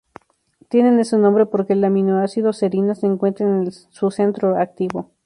Tienen ese nombre porque el aminoácido serina se encuentra en su centro activo.